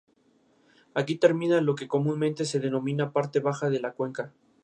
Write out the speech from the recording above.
Aquí termina lo que comúnmente se denomina parte baja de la cuenca.